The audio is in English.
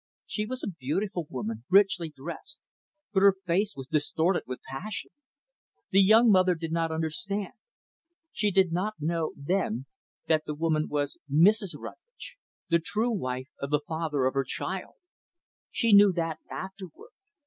She was a beautiful woman, richly dressed; but her face was distorted with passion. The young mother did not understand. She did not know, then, that the woman was Mrs. Rutlidge the true wife of the father of her child. She knew that, afterward.